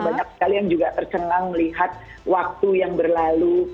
banyak sekali yang juga tercengang melihat waktu yang berlalu